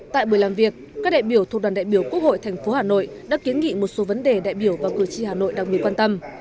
tại buổi làm việc các đại biểu thuộc đoàn đại biểu quốc hội tp hà nội đã kiến nghị một số vấn đề đại biểu và cử tri hà nội đặc biệt quan tâm